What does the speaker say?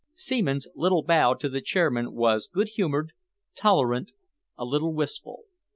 Seaman's little bow to the chairman was good humoured, tolerant, a little wistful.